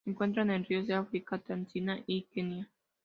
Se encuentran en ríos de África: Tanzania y Kenia.